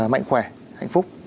mạnh khỏe hạnh phúc